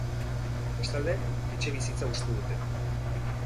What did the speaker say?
Bestalde, etxebizitza hustu dute.